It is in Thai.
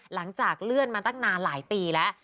หลังจากเลื่อนมาตั้งนานหลายปีแล้ว